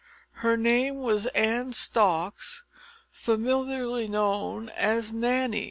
Her name was Ann Stocks, familiarly known as Nanny.